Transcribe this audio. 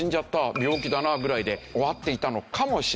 「病気だな」ぐらいで終わっていたのかもしれない。